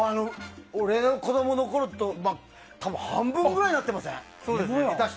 俺の子供のころより多分半分ぐらいになってません？